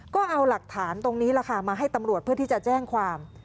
ก็เอาหลักฐานตรงนี้แหละค่ะมาให้ตำรวจเพื่อที่จะแจ้งความ